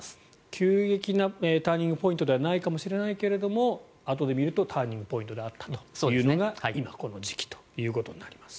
急激なターニングポイントではないかもしれないけどあとで見るとターニングポイントだったというのが今、この時期ということになります。